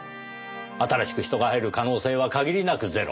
新しく人が入る可能性は限りなくゼロ。